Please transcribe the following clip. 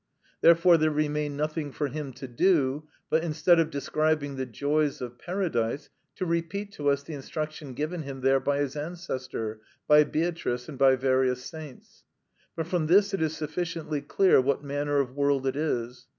Therefore there remained nothing for him to do but, instead of describing the joys of paradise, to repeat to us the instruction given him there by his ancestor, by Beatrice, and by various saints. But from this it is sufficiently clear what manner of world it is.